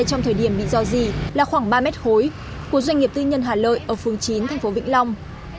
trong thời điểm bị do gì là khoảng ba mét khối của doanh nghiệp tư nhân hà lợi ở phường chín thành phố vĩnh long